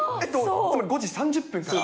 ５時３０分から？